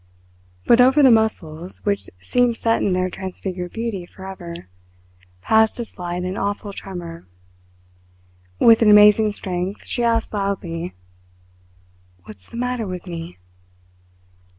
But over the muscles, which seemed set in their transfigured beauty for ever, passed a slight and awful tremor. With an amazing strength she asked loudly: "What's the matter with me?"